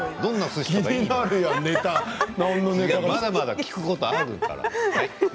まだまだ聞くことあるから。